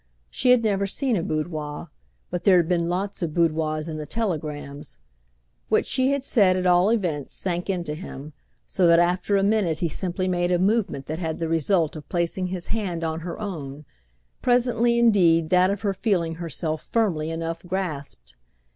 She had never seen a boudoir, but there had been lots of boudoirs in the telegrams. What she had said at all events sank into him, so that after a minute he simply made a movement that had the result of placing his hand on her own—presently indeed that of her feeling herself firmly enough grasped.